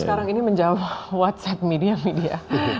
sekarang ini menjawab whatsapp media media